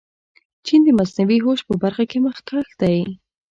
چین د مصنوعي هوش په برخه کې مخکښ دی.